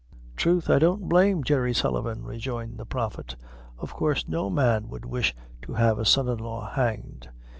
"Troth, I don't blame Jerry Sullivan," rejoined the prophet. "Of coorse no man would wish to have a son in law hanged.